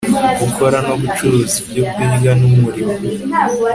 Gukora no gucuruza ibyokurya ni umurimo